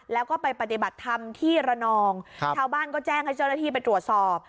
แล้วก็ไปปฏิบัติธรรมที่ระนองชาวบ้านก็แจ้งให้เจ้าหน้าที่ไปตรวจสอบ